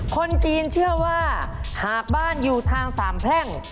คนจีนเชื่อว่าหากบ้านอยู่ทางสามแพร่ง